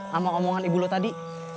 sama omongan ibu lo tadi